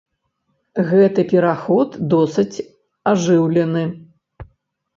Гэты пераход досыць ажыўлены.